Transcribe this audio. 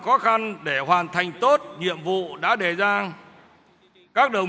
khó khăn để hoàn thành tốt nhiệm vụ đã đề ra các đồng